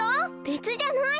べつじゃない！